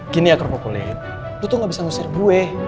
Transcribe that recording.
gini ya kerupuk kulit lo tuh gak bisa ngusir gue